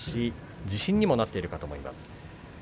自信にもなっていると思います。